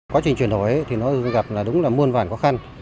quá trình chuyển đổi thì nó gặp là đúng là muôn vàn khó khăn